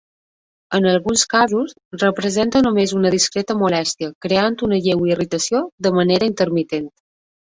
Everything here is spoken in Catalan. En alguns casos representa només una discreta molèstia, creant una lleu irritació de manera intermitent.